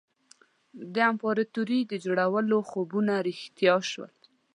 د امپراطوري د جوړولو خوبونه رښتیا شول.